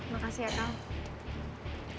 makasih ya kang